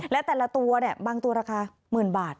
และแต่ละตัวเนี่ยบางตัวราคาหมื่นบาท